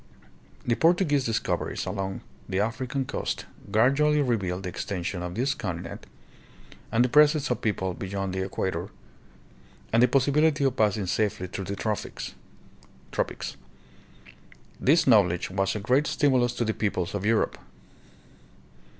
The Portuguese discoveries along the African coast gradually revealed the extension of this continent and the presence of people beyond the equator, and the pos sibility of passing safely through the tropics. This knowl edge was a great stimulus to the peoples of Europe.